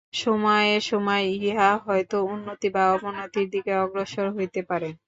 সময়ে সময়ে ইহা হয়তো উন্নতি বা অবনতির দিকে অগ্রসর হইতে পারে।